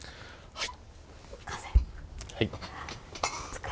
はい。